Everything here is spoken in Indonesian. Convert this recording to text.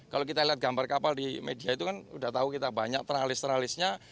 kalau kita lihat gambar kapal di media itu kan udah tahu kita banyak teralis teralisnya